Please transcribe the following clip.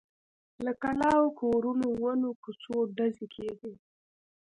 له کلاوو، کورونو، ونو، کوڅو… ډزې کېدې.